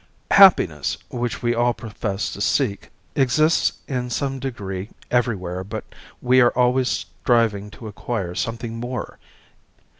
Happiness, which we all profess to seek, exists in some degree everywhere but we are always striving to acquire something more.